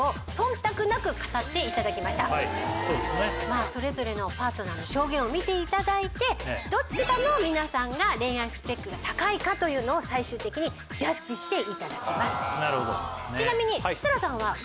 まあそれぞれのパートナーの証言を見ていただいてどちらの皆さんが恋愛スペックが高いかというのを最終的にジャッジしていただきます。